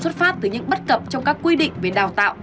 xuất phát từ những bất cập trong các quy định về đào tạo